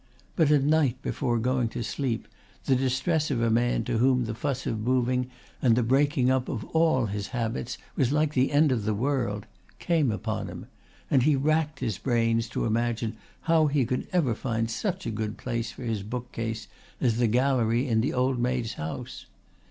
But at night before going to sleep, the distress of a man to whom the fuss of moving and the breaking up of all his habits was like the end of the world, came upon him, and he racked his brains to imagine how he could ever find such a good place for his book case as the gallery in the old maid's house.